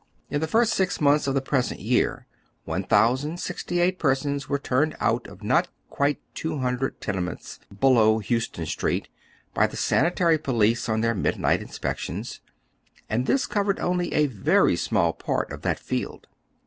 In the first six months of the presentyear 1,068 persons were turned out of not quite two hundred tenejnents below Houston Street by the sanitary police on their midnight inspections, and this covered only a very small part of that field.